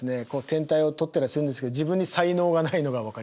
天体を撮ったりするんですけど自分に才能がないのが分かります。